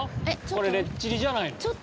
これレッチリじゃないの？